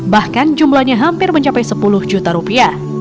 bahkan jumlahnya hampir mencapai sepuluh juta rupiah